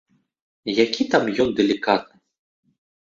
Які там ён далікатны!